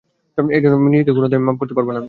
এজন্য নিজেকে কোনোদিন মাফ করতে পারবো না আমি।